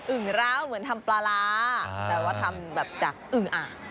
ึงร้าวเหมือนทำปลาร้าแต่ว่าทำแบบจากอึงอ่าง